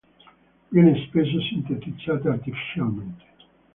Viene spesso sintetizzata artificialmente.